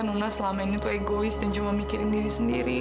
nona selama ini tuh egois dan cuma mikirin diri sendiri